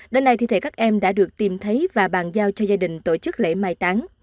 đến nay thi thể các em đã được tìm thấy và bàn giao cho gia đình tổ chức lễ mai táng